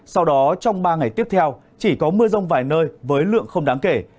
sau đó trong ba ngày tiếp theo chỉ có mưa rông vài nơi với lượng không đáng kể